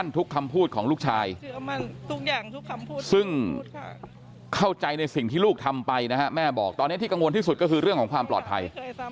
ตอนนี้ที่กังวลที่สุดคือเรื่องของความปลอดภัย